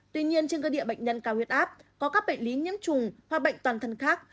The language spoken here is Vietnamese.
tuy nhiên trên cơ địa bệnh nhân cao huyết áp có các bệnh lý nhiễm trùng hoặc bệnh toàn thân khác